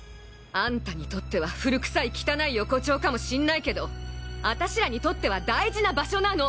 あんたにとっては古くさい汚い横丁かもしんないけどアタシらにとっては大事な場所なの。